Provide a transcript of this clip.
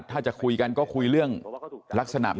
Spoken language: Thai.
น่าจะถูกยึดโทรศัพท์ไปอะไรไปครับ